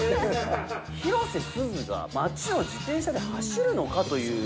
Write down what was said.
広瀬すずが街を自転車で走るのかという。